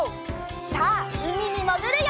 さあうみにもぐるよ！